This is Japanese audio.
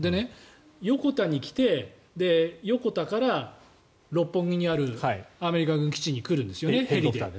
横田に来て横田から六本木にあるアメリカ軍基地にヘリで来るんですよね。